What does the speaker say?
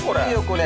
これ。